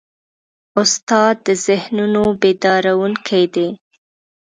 استاد د ذهنونو بیدارونکی دی.